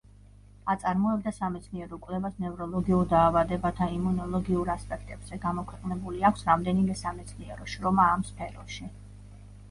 აწარმოებდა სამეცნიერო კვლევას ნევროლოგიურ დაავადებათა იმუნოლოგიურ ასპექტებზე, გამოქვეყნებული აქვს რამდენიმე სამეცნიერო შრომა ამ სფეროში.